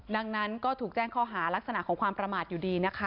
ดังนั้นก็ถูกแจ้งข้อหารักษณะของความประมาทอยู่ดีนะคะ